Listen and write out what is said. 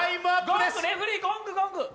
レフェリー、ゴング、ゴング！